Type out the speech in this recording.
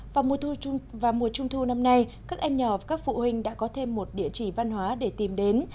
vào mùa trung thu năm nay các em nhỏ và các phụ huynh đã có thêm một địa chỉ văn hóa để tìm đến